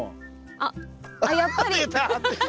ああやっぱり！出た！